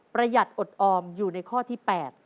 หยัดอดออมอยู่ในข้อที่๘